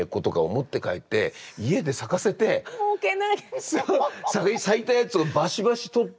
もうけなげ。